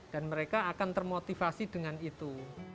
dan mereka akan termotivasi dengan itu